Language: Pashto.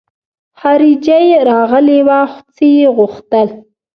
خارجۍ راغلې وه څه يې غوښتل.